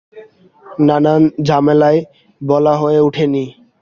নানান ঝামেলায় বলা হয়ে ওঠে নি।